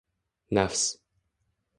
“Nafs”